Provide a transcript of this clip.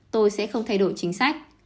tôi sẽ không thay đổi chính sách